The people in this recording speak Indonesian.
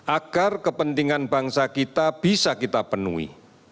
agar kepentingan bangsa kita bisa kita penuhi